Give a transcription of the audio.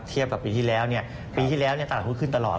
กับปีที่แล้วปีที่แล้วตลาดหุ้นขึ้นตลอด